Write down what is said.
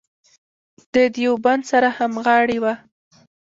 د دیوبند سره همغاړې وه.